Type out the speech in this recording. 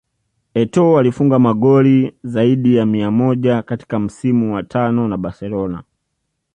Etoo alifunga magoli zaidi ya mia moja katika msimu wa tano na Barcelona